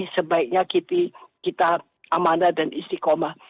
sebaiknya kita amanah dan istiqomah